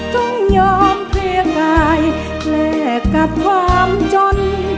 ต้องยอมเพลียกายแลกกับความจน